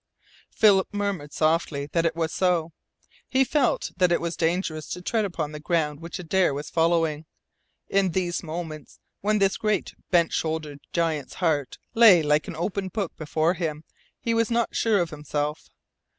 Philip murmured softly that it was so. He felt that it was dangerous to tread upon the ground which Adare was following. In these moments, when this great bent shouldered giant's heart lay like an open book before him, he was not sure of himself.